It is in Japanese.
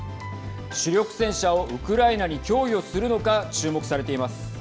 主力戦車をウクライナに供与するのか注目されています。